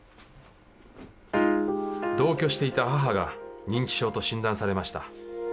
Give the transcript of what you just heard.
同居していた母が認知症と診断されました。